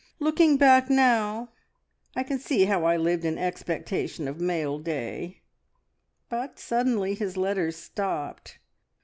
"Looking back now I can see how I lived in expectation of mail day, but suddenly his letters stopped.